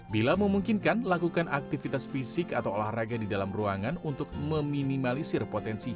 bila memungkinkan lakukan aktivitas fisik atau olahraga di dalam ruangan untuk meminimalisir potensi